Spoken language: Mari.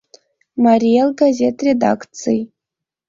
«Марий Эл» газет редакций